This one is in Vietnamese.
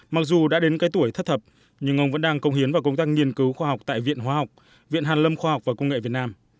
mặc dù đã đến cái tuổi thất thập nhưng ông vẫn đang công hiến vào công tác nghiên cứu khoa học tại viện hóa học viện hàn lâm khoa học và công nghệ việt nam